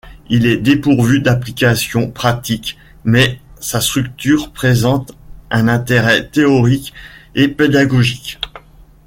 Il est dépourvu d'application pratique, mais sa structure présente un intérêt théorique et pédagogique.